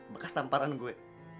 bekas tamparan gue